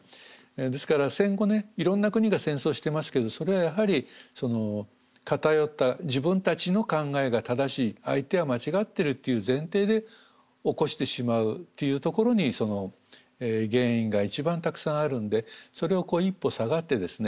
ですから戦後ねいろんな国が戦争してますけどそれはやはり偏った自分たちの考えが正しい相手は間違ってるっていう前提で起こしてしまうというところにその原因が一番たくさんあるんでそれを一歩下がってですね